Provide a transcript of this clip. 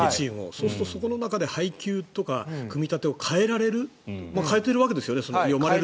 そうすると、そこの中で配球とか組み立てを変えられる変えてきてますね。